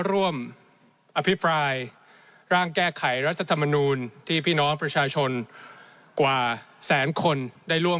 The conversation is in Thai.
อภิปรายร่างแก้ไขรัฐธรรมนูลที่พี่น้องประชาชนกว่าแสนคนได้ร่วม